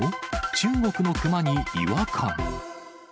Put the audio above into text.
中国のクマに違和感。